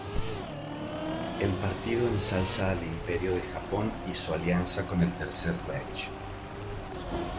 El partido ensalza al Imperio de Japón y su alianza con el Tercer Reich.